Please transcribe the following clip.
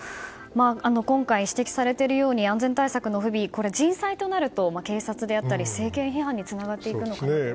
今回、指摘されているように安全対策の不備人災となると警察や政権批判につながると思いますが。